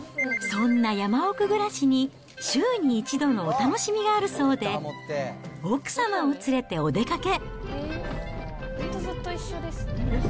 そんな山奥暮らしに、週に１度のお楽しみがあるそうで、奥様を連れてお出かけ。